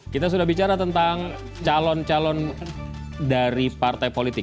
kita sudah bicara tentang calon calon dari partai politik